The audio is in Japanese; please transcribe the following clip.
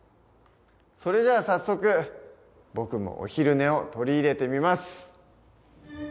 それじゃあ早速僕もお昼寝を取り入れてみます。